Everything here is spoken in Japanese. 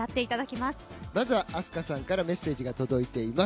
まずはＡＳＫＡさんからメッセージが届いています。